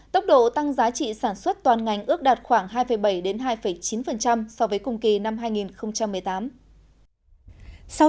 tốc độ tăng giá trị sản xuất toàn ngành ước đạt khoảng hai bảy hai chín so với cùng kỳ năm hai nghìn một mươi tám